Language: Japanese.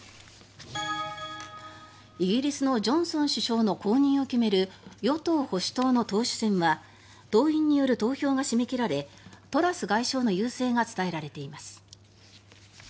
イギリスのジョンソン首相の後任を決める与党・保守党の党首選は党員による投票が締め切られトラス外相の優勢が伝えられています。